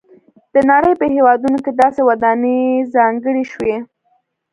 د نړۍ په هېوادونو کې داسې ودانۍ ځانګړې شوي.